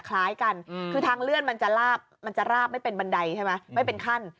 คล้ายกันคือทางเลื่อนมันจะลาบมันจะลาบไม่เป็นบันไดใช่ไหมไม่เป็นขั้น